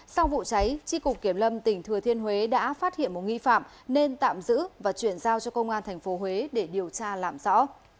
sau vụ cháy tri cục kiểm lâm tỉnh thừa thiên huế đã phát hiện một nghi phạm nên tạm giữ và chuyển giao cho công an tp huế để điều tra làm rõ